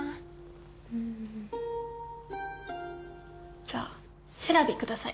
うんじゃあセラヴィください